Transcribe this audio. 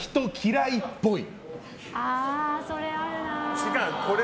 違う。